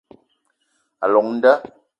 A llong nda